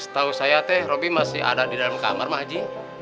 setahu saya teh robby masih ada di dalam kamar mak iji